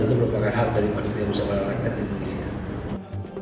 itu merupakan hak dari pemerintah musyawarah rakyat indonesia